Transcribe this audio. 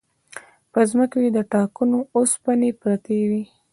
په ځمکو کې د ټانکونو وسپنې پاتې وې